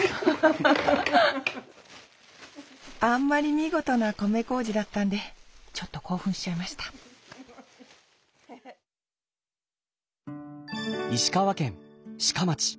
あんまり見事な米こうじだったんでちょっと興奮しちゃいました石川県志賀町。